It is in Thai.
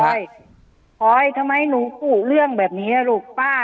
อยทำไมหนูกุเรื่องแบบนี้ลูกป้า